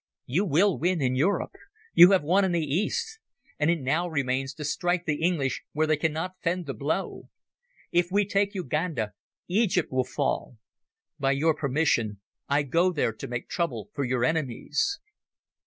You will win in Europe. You have won in the East, and it now remains to strike the English where they cannot fend the blow. If we take Uganda, Egypt will fall. By your permission I go there to make trouble for your enemies."